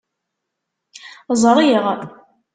Ẓṛiɣ.